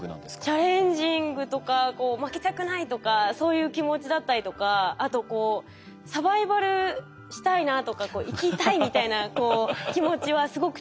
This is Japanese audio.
チャレンジングとか負けたくないとかそういう気持ちだったりとかあとこうサバイバルしたいなとか「生きたい」みたいな気持ちはすごく強いかもしれないです。